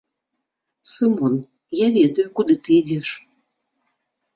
Сымон, я ведаю, куды ты ідзеш.